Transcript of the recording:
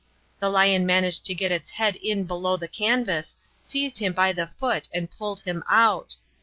The lion managed to get its head in below the canvas, seized him by the foot and pulled him out.